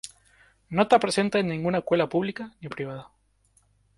No está presente en ninguna escuela pública ni privada.